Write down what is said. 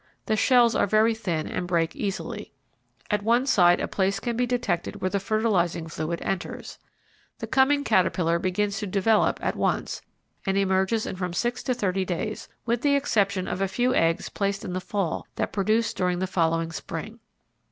The shells are very thin and break easily. At one side a place can be detected where the fertilizing fluid enters. The coming caterpillar begins to develop at once and emerges in from six to thirty days, with the exception of a few eggs placed in the fall that produce during the following spring.